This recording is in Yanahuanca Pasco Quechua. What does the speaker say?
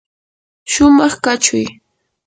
shumaq kachuy.